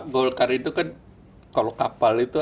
golkar itu kan kalau kapal itu